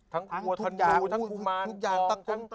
ทั้งทุกอย่าง